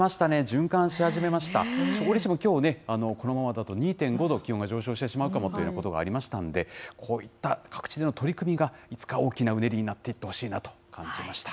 折しもおりしもきょうね、このままだと２．５度、気温が上昇してしまうかもしれないということもありましたので、こういった各地の取り組みがいつか大きなうねりになっていってほしいなと感じました。